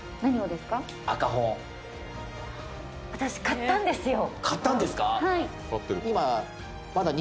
私買ったんですか？